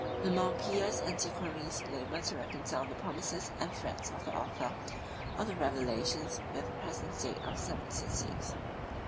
The more pious antiquaries labor to reconcile the promises and threats of the author of the Revelations with the present state of the seven cities.